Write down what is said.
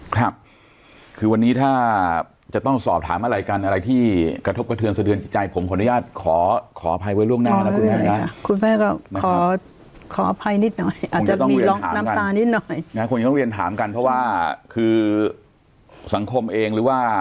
ครับคือวันนี้ถ้าจะต้องสอบถามอะไรกันอะไรที่กระทบกระเทือนสเตือนใจผมขออนุญาตขออภัยไว้ล่วงหน้านะคุณแม่